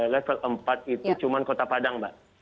level empat itu cuma kota padang mbak